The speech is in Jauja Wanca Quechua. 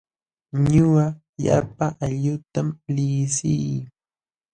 Ñuqa llapa aylluutam liqsii.